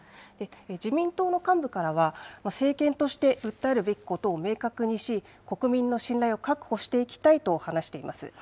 自民党の幹部からは、政権として訴えるべきことを明確にし、国民の信頼を確保していきたいと話しています。